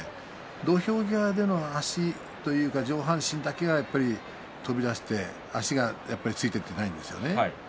土俵際での足というか上半身だけがやっぱり飛び出して足がついていっていないんですよね。